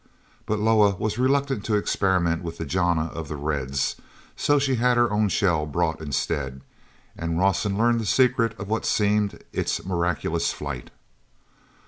But Loah was reluctant to experiment with the jana of the Reds; she had her own shell brought instead—and then Rawson learned the secret of what seemed its miraculous flight.